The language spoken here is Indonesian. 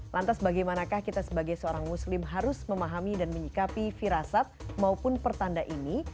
lantas bagaimanakah kita sebagai seorang muslim harus memahami dan menyikapi firasat maupun pertanda ini